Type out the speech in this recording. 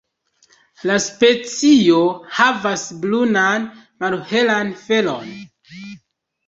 La specio havas brunan malhelan felon.